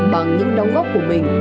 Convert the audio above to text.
bằng những đóng góp của mình